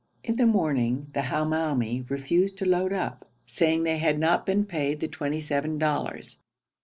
In the morning the Hamoumi refused to load up, saying they had not been paid the twenty seven dollars.